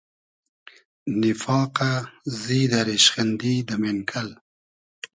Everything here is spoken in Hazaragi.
نیفاقۂ ، زیدۂ ، ریشخیندی دۂ مېنکئل